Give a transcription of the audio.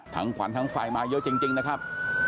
ขวัญทั้งไฟมาเยอะจริงนะครับ